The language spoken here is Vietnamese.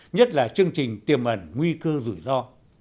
nhất là chương trình tiềm ẩn nguy cơ rủi ro